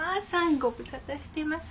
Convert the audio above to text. ご無沙汰してます。